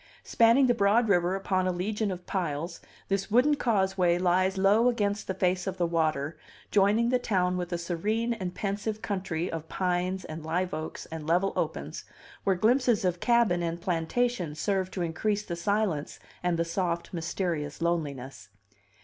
Spanning the broad river upon a legion of piles, this wooden causeway lies low against the face of the water, joining the town with a serene and pensive country of pines and live oaks and level opens, where glimpses of cabin and plantation serve to increase the silence and the soft, mysterious loneliness.